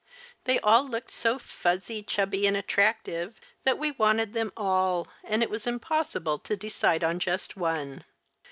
They all looked so fuzzy, chubby and attractive that we wanted them all, and it was impossible to decide on just one.